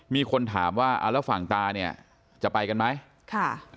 มีคนถามว่าฝั่งตาจะไปกันไหม